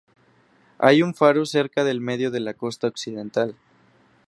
Hay un faro cerca del medio de la costa occidental.